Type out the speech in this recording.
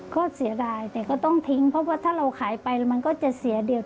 ก็เสียดายแต่ก็ต้องทิ้งเพราะว่าถ้าเราขายไปแล้วมันก็จะเสียเด็ก